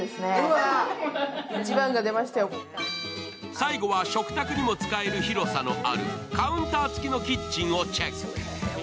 最後は食卓にも使える広さのあるカウンター付きのキッチンをチェック。